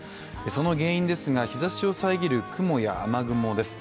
その原因ですが、日ざしを遮る雲や雨雲です。